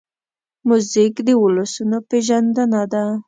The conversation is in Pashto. موزیک د ولسونو پېژندنه ده.